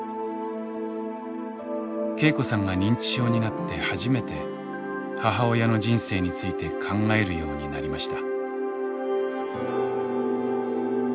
恵子さんが認知症になって初めて母親の人生について考えるようになりました。